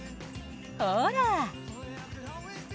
ほら。